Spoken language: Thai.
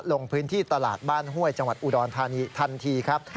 ลงพื้นที่ตลาดบ้านห้วยจังหวัดอุดรธานีทันทีครับ